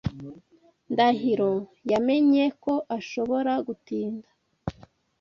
Ndahiro yamenye ko ashobora gutinda.